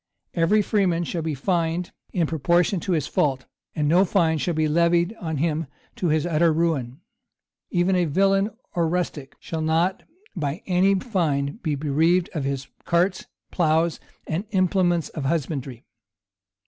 Every freeman shall be fined in proportion to his fault; and no fine shall be levied on him to his utter ruin; even a villain or rustic shall not by any fine be bereaved of his carts, ploughs, and implements of husbandry.